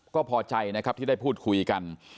ก็พอใจนะครับที่ได้พูดคุยกัน